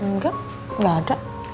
enggak gak ada